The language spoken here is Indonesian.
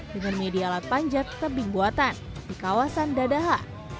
dengan media alat panjat kebingguatan di kawasan dadaha